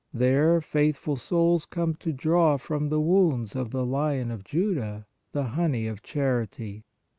There faithful souls come to draw from the wounds of the Lion of Juda the honey of charity.